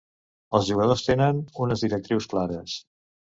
Els jugadors tenen unes directrius clares.